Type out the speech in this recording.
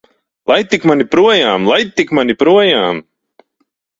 Laid tik mani projām! Laid tik mani projām!